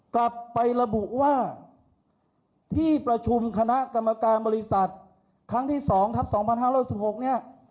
กลับไประบุว่าที่ประชุมคณะกรรมการบริษัทครั้งที่๒ทัพ๒๕๖๖เนี่ย